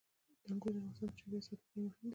انګور د افغانستان د چاپیریال ساتنې لپاره مهم دي.